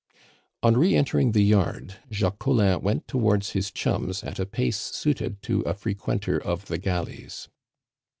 On re entering the yard, Jacques Collin went towards his chums at a pace suited to a frequenter of the galleys.